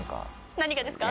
何がですか？